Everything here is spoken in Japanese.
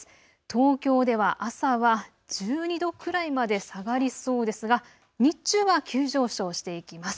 東京では朝は１２度くらいまで下がりそうですが、日中は急上昇していきます。